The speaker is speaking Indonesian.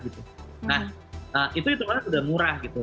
nah itu itu udah murah gitu